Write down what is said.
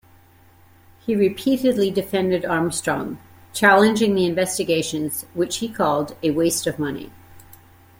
He repeatedly defended Armstrong, challenging the investigations which he called "a waste of money".